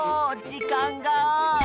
じかんが！